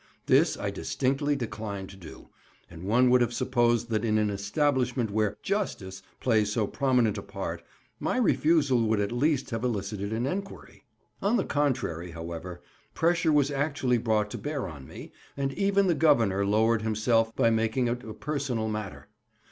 This I distinctly declined to do; and one would have supposed that in an establishment where "justice" plays so prominent a part, my refusal would at least have elicited an enquiry. On the contrary, however, pressure was actually brought to bear on me, and even the Governor lowered himself by making it a personal matter.